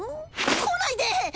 来ないで！